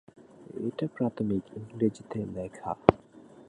এটা প্রাথমিক ইংরেজিতে লেখা।